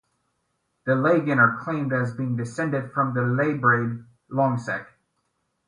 The Laigin are claimed as being descended from Labraid Loingsech.